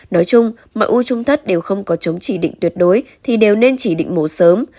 nói chung mọi u trung thất đều không có chống chỉ định tuyệt đối thì đều nên chỉ định mổ sớm